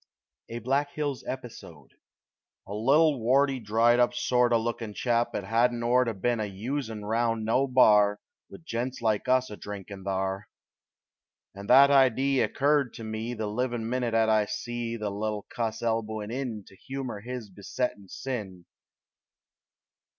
A Black Hills Episode A little, warty, dried up sort O' lookin' chap 'at hadn't ort A ben a usin' round no bar, With gents like us a drinkin' thar! And that idee occurred to me The livin' minit 'at I see The little cuss elbowin' in To humor his besettin' sin.